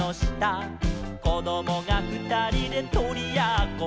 「こどもがふたりでとりやっこ」